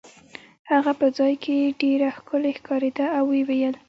هغه په ځای کې ډېره ښکلې ښکارېده او ویې ویل.